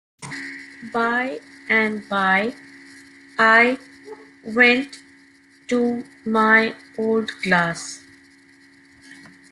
By and by I went to my old glass.